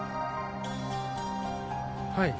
はい。